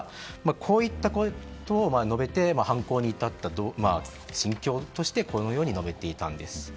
こういったことを述べて犯行に至った心境としてこのように述べていたんです。